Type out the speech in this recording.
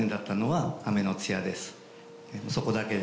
そこだけで。